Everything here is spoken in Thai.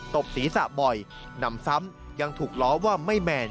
ตบศีรษะบ่อยนำซ้ำยังถูกล้อว่าไม่แมน